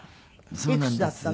いくつだったの？